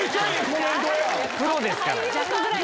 プロですから。